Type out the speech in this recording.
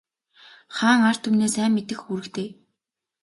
Хаан ард түмнээ сайн мэдэх үүрэгтэй.